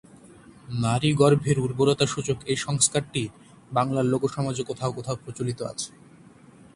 নারীগর্ভের উর্বরতাসূচক এ সংস্কারটি বাংলার লোকসমাজে কোথাও কোথাও প্রচলিত আছে।